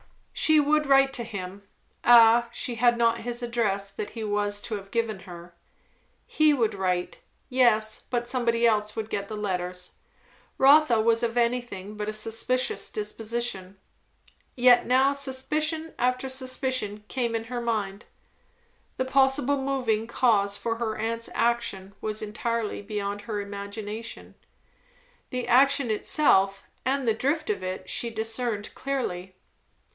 She would write to him. Ah, she had not his address, that he was to have given her. He would write. Yes, but somebody else would get the letters. Rotha was of anything but a suspicious disposition, yet now suspicion after suspicion came in her mind. The possible moving cause for her aunt's action was entirely beyond her imagination; the action itself and the drift of it she discerned clearly.